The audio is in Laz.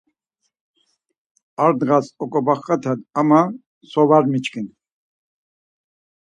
Ar ndğas oǩobagaten ama so var miçkin.